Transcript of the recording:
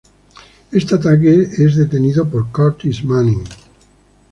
Este ataque es detenido por Curtis Manning.